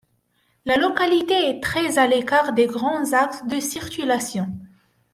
La localité est très à l'écart des grands axes de circulation.